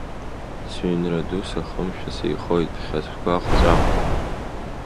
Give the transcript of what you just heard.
Сыҩнра ду сахымшәа сеихоит, ԥхьа сгәаҟ-ҵәаҟуа.